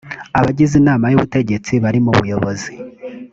abagize inama y ubutegetsi bari mu buyobozi